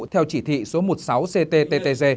theo chỉ thị số một mươi sáu ctttg